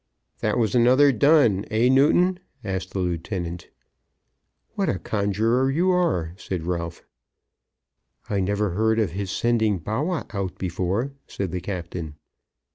"That was another dun; eh, Newton?" asked the lieutenant. "What a conjuror you are?" said Ralph. "I never heard of his sending Bawwah out before," said the captain.